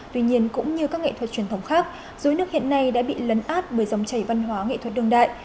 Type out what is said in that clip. tuy nhiên cũng như các nghệ thuật truyền thống khác dưới nước hiện nay đã bị lấn át bởi dòng chảy văn hóa nghệ thuật đường đại